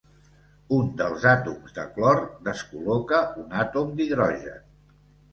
Un dels àtoms de clor descol·loca un Àtom d'hidrogen.